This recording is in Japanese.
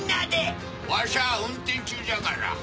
わしは運転中じゃから。